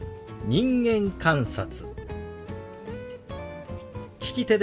「人間観察」。